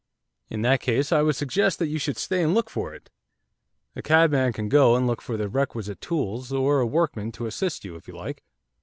'In that case I would suggest that you should stay and look for it. The cabman can go and look for the requisite tools, or a workman to assist you, if you like.